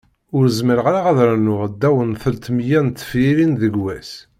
Ur zmireɣ ara rnuɣ ddaw n telt meyya n tefyirin deg wass.